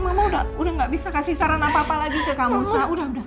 mama udah gak bisa kasih saran apa apa lagi ke kamusa udah